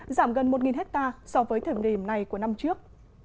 giảm gần một hectare so với thời điểm này của năm trước